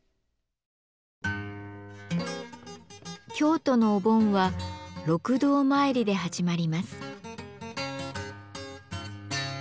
京都のお盆は六道まいりで始まります。